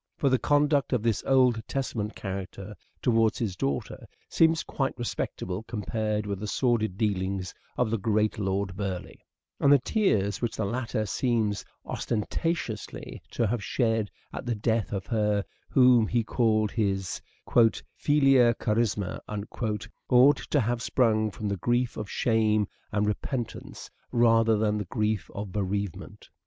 For the conduct of this Old Testament character towards his daughter seems quite respectable compared with the sordid dealings of the great Lord Burleigh ; and the tears which the latter seems osten tatiously to have shed at the death of her whom he called his " filia carissima " ought to have sprung from the grief of shame and repentance rather than the grief of bereavement.